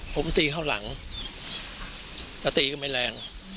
ผมตีเข้าหลังแล้วตีก็ไม่แรง